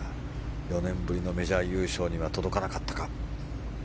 ４年ぶりのメジャー優勝には届かなかったか。